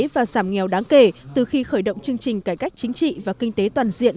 và giảm nghèo đáng kể từ khi khởi động chương trình cải cách chính trị và kinh tế toàn diện